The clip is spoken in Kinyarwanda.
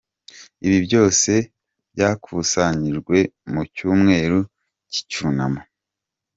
Ibi byose byakusanyijwe mu cyumweru cy’icyunamo.